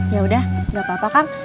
yaudah gak apa apa kang